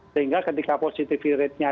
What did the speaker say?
sehingga ketika positivity ratenya